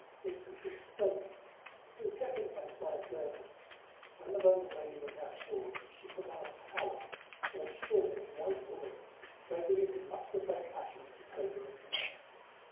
This was the "stola." It was kept in place by a girdle. When the Roman lady went out of doors, she put on a palla," or shawl of white woolen, draping it in much the same fashion as the toga of the men.